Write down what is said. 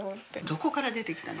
どこから出てきたの？